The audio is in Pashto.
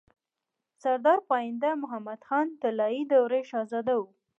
سردار پاينده محمد خان طلايي دورې شهزاده وو